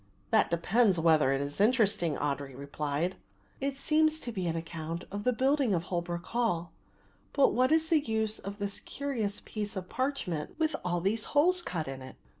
"That depends whether it is interesting," Audry replied. "It seems to be an account of the building of Holwick Hall; but what is the use of this curious piece of parchment with all these holes cut in it?"